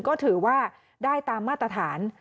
ก็ถือว่าได้ตามมาตรฐาน